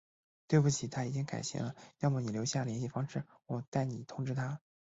对不起，他已经改行了，要么你留下联系方式，我代你通知他。